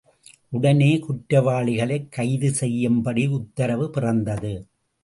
உடனே குற்றவாளிகளைக் கைது செய்யும்படி உத்தரவு பிறந்தது.